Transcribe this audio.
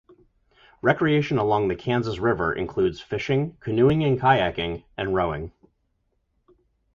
Recreation along the Kansas River includes fishing, canoeing and kayaking, and rowing.